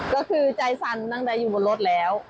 ก็คือใจสั่นตั้งแต่อยู่บนรถแล้ว